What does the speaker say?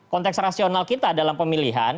konteks rasional kita dalam pemilihan